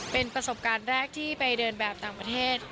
เป็นประสบการณ์แรกที่ไปเดินแบบต่างประเทศ